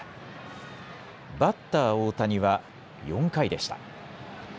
バッター、大谷は４回でした。